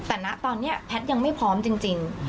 แต่ณตอนนี้แพทย์ยังไม่พร้อมจริง